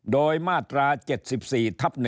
โดยมาตรา๗๔ทับ๑